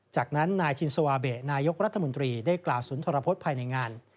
จากนั้นนายชินสวาเบะนายกรัฐมนตรีได้กล่าวสุนทรพฤษภายในงาน